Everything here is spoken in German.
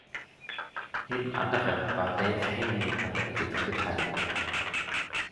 Neben Anderen war Dave Haynie an der Entwicklung beteiligt.